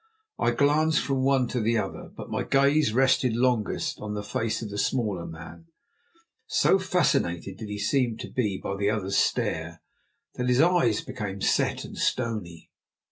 I glanced from one to the other, but my gaze rested longest on the face of the smaller man. So fascinated did he seem to be by the other's stare that his eyes became set and stony.